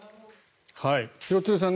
廣津留さん